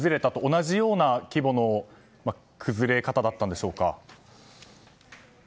同じような規模の崩れ方だったんでしょうか？